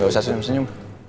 gak usah senyum senyum